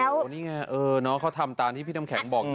โอ้โหนี่ไงน้องเขาทำตามที่พี่น้ำแข็งบอก